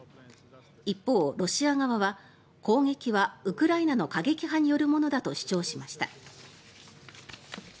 一方、ロシア側は攻撃はウクライナの過激派によるものだと主張しました。